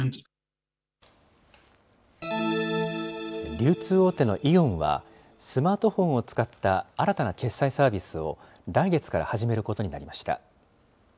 流通大手のイオンは、スマートフォンを使った新たな決済サービスを来月から始めることになりました。